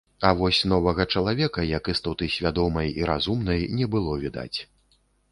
А вось новага чалавека, як істоты свядомай і разумнай, не было відаць.